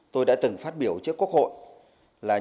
tôi đã từng phát biểu trước quốc hội là những